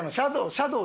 シャドー？